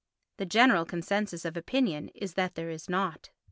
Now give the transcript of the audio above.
The general consensus of opinion is that there is not.